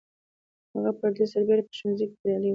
هغه پر دې سربېره په ښوونځي کې بریالی و